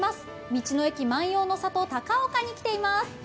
道の駅万葉の里高岡に来ています。